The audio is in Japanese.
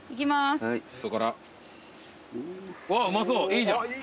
いいじゃん。